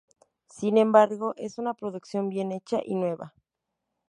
Sin embargo es una producción bien hecha y nueva.